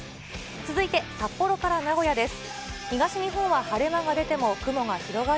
続いて札幌から名古屋です。